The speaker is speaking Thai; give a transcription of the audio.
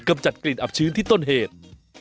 จัดกลิ่นอับชื้นที่ต้นเหตุ